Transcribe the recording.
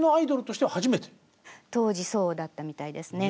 当時そうだったみたいですね。